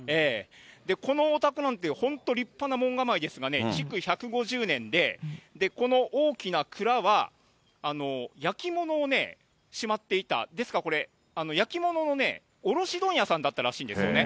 このお宅なんて、本当、立派な門構えですがね、築１５０年で、この大きな蔵は、焼物をしまっていた、ですからこれ、焼き物の卸問屋さんだったらしいんですね。